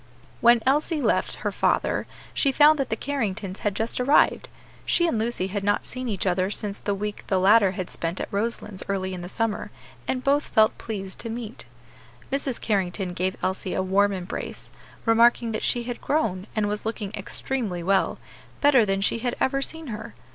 When Elsie left her father she found that the Carringtons had just arrived. She and Lucy had not seen each other since the week the latter had spent at Roselands early in the summer, and both felt pleased to meet. Mrs. Carrington gave Elsie a warm embrace, remarking that she had grown, and was looking extremely well; better than she had ever seen her.